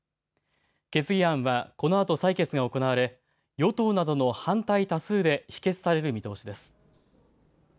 決議案はこのあと採決が行われ、与党などの反対多数で否決される見通しです。